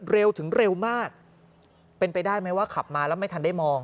เร็วถึงเร็วมากเป็นไปได้ไหมว่าขับมาแล้วไม่ทันได้มอง